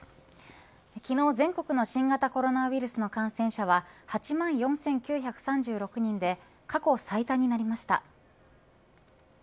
昨日全国の新型コロナウイルスの感染者は８万４９３６人で過去最多になりました。